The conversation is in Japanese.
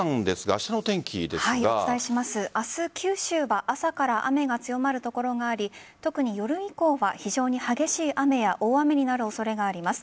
明日、九州は朝から雨が強まる所があり特に夜以降は非常に激しい雨や大雨になる恐れがあります。